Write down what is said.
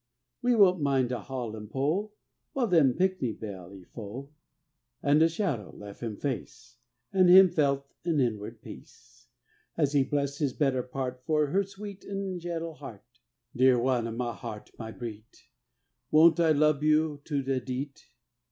We won't mind de haul an' pull, While dem pickny belly full." An' de shadow lef' him face, An' him felt an inward peace, As he blessed his better part For her sweet an' gentle heart: "Dear one o' my heart, my breat', Won't I lub you to de deat'?